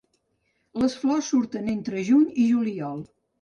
Les flors surten entre juny i juliol.